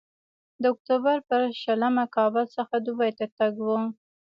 د اکتوبر پر شلمه کابل څخه دوبۍ ته تګ و.